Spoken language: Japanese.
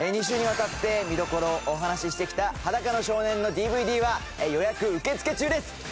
２週にわたって見どころをお話ししてきた『裸の少年』のＤＶＤは予約受付中です。